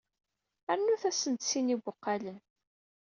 Rnut-asen-d sin n yibuqalen.